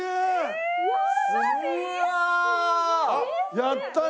やったね。